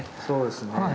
そうですね。